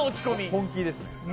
本気ですね。